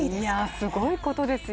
すごいことですよ